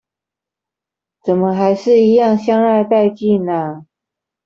怎麼還是一樣香辣帶勁啊！